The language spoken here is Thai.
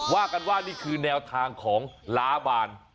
ว่ากันว่านี่คือแนวทางของล้าบาน